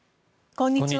こんにちは。